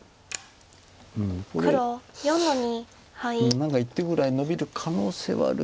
何か１手ぐらいのびる可能性はあるけども。